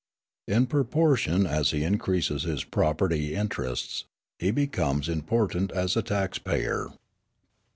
In proportion as he increases his property interests, he becomes important as a tax payer.